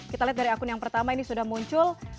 kita lihat dari akun yang pertama ini sudah muncul